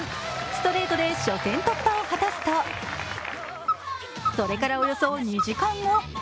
ストレートで初戦突破を果たすと、それからおよそ２時間後。